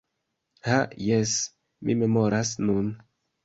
Ha jes! Mi memoras nun: